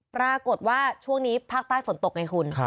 ปรากฏว่าช่วงนี้ภาคใต้ฝนตกไงคุณ